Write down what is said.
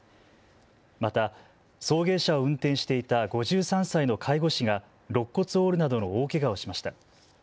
また送迎車を運転していた５３歳の介護士がろっ骨を折るなどの大けがをしました。